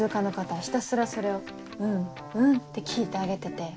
ひたすらそれを「うんうん」って聞いてあげてて。